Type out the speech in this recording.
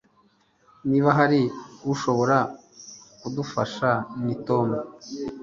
Niba hari ushobora kudufasha ni Tom